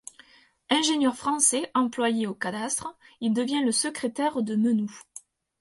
Ingénieur français employé au cadastre, il devient le secrétaire de Menou.